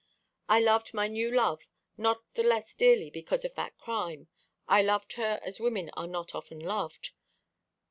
I loved my new love not the less dearly because of that crime. I loved her as women are not often loved.